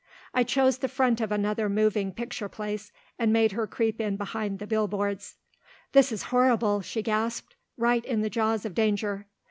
I chose the front of another moving picture place, and made her creep in behind the billboards. "This is horrible," she gasped, "right in the jaws of danger."